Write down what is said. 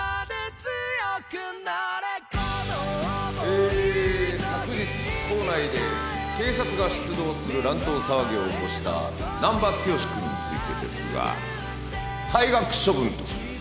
え昨日校内で警察が出動する乱闘騒ぎを起こした難破剛君についてですが退学処分とする。